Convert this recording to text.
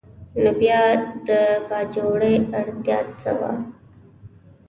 نو بیا د باجوړي اړتیا څه وه؟